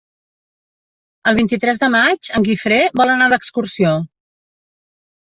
El vint-i-tres de maig en Guifré vol anar d'excursió.